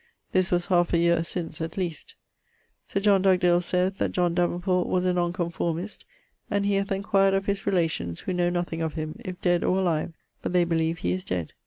This was halfe a yeare since, at least. Sir John Dugdale saith that John Davenport was a nonconformist; and he hath enquired of his relations, who know nothing of him, if dead or alive, but they believe he is dead.